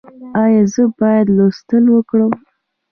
ایا زه باید لوستل وکړم؟